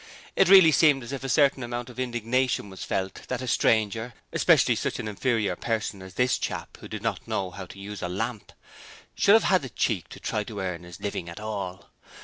It really seemed as if a certain amount of indignation was felt that a stranger especially such an inferior person as this chap who did not know how to use a lamp should have had the cheek to try to earn his living at all!